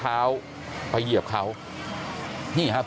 แต่ว่าวินนิสัยดุเสียงดังอะไรเป็นเรื่องปกติอยู่แล้วครับ